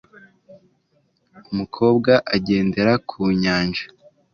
Umukobwa agendera ku nyanja